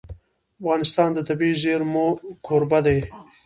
افغانستان د طبیعي زیرمې کوربه دی.